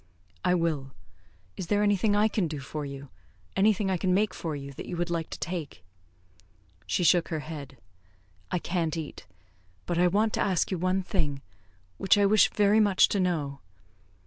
"I will. Is there anything I can do for you? anything I can make for you, that you would like to take?" She shook her head. "I can't eat. But I want to ask you one thing, which I wish very much to know."